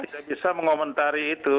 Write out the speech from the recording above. tidak bisa mengomentari itu